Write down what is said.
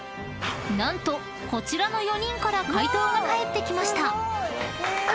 ［何とこちらの４人から回答が返ってきました］え！